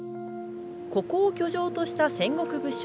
ここを居城とした戦国武将